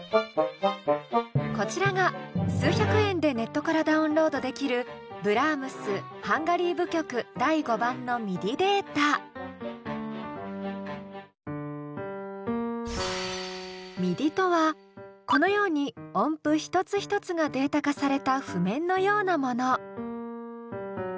こちらが数百円でネットからダウンロードできるＭＩＤＩとはこのように音符一つ一つがデータ化された譜面のようなもの。